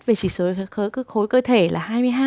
về chỉ số khối cơ thể là hai mươi hai